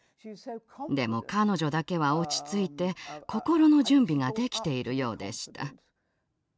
でも彼女だけは落ち着いて心の準備ができているようでした。